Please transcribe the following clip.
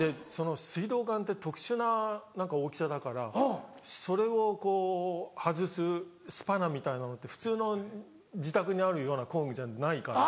水道管って特殊な大きさだからそれをこう外すスパナみたいなのって普通の自宅にあるような工具じゃないから。